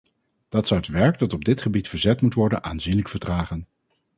Dat zou het werk dat op dit gebied verzet moet worden aanzienlijk vertragen.